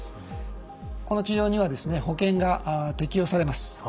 この治療には保険が適用されます。